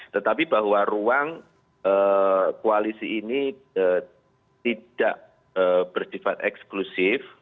tetapi bahwa ruang koalisi ini tidak bersifat eksklusif